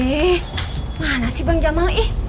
eh mana sih bang jamal eh